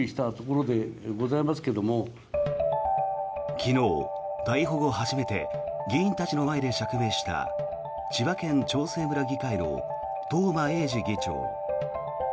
昨日、逮捕後初めて議員たちの前で釈明した千葉県長生村議会の東間永次議長。